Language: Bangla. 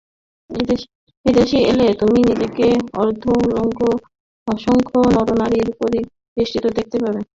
এদেশে এলে তুমি নিজেকে অর্ধ-উলঙ্গ অসংখ্য নর-নারীতে পরিবেষ্টিত দেখতে পাবে।